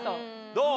どう？